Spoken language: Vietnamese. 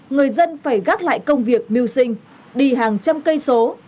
người dân phải gác lại công việc mưu sinh đi hàng trăm cây số